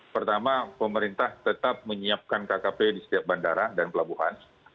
pertama pemerintah tetap menyiapkan kkp di setiap bandara dan pelabuhan